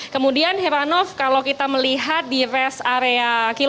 kemudian heranov kalau kita melihat di rest area ada perjalanan mudik